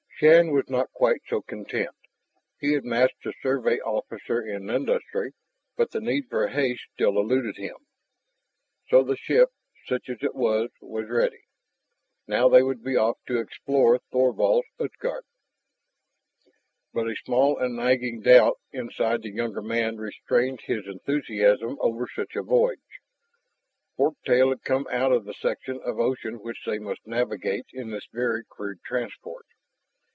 Shann was not quite so content. He had matched the Survey officer in industry, but the need for haste still eluded him. So the ship such as it was was ready. Now they would be off to explore Thorvald's Utgard. But a small and nagging doubt inside the younger man restrained his enthusiasm over such a voyage. Fork tail had come out of the section of ocean which they must navigate in this very crude transport.